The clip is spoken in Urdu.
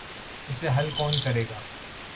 اسے حل کون کرے گا؟